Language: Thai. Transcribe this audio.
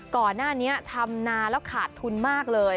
ก่อนหน้านี้ทำนานแล้วขาดทุนมากเลย